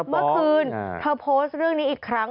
เมื่อคืนเธอโพสต์เรื่องนี้อีกครั้ง